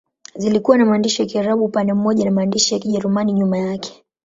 Zilikuwa na maandishi ya Kiarabu upande mmoja na maandishi ya Kijerumani nyuma yake.